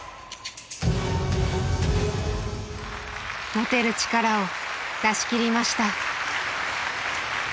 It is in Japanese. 持てる力を出し切りました。